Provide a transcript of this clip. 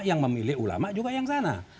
yang memilih ulama juga yang sana